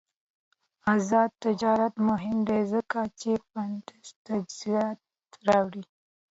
آزاد تجارت مهم دی ځکه چې فټنس تجهیزات راوړي.